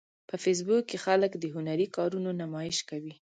په فېسبوک کې خلک د هنري کارونو نمایش کوي